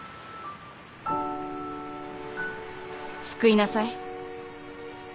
救いなさい。